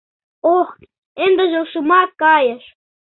— Ох, ындыже ушемак кайыш!